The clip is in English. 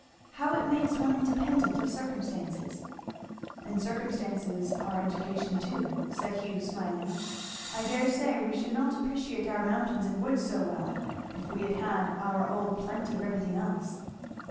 how it makes one independent of circumstances." "And circumstances are education too," said Hugh smiling. "I dare say we should not appreciate our mountains and woods so well if we had had our old plenty of everything else."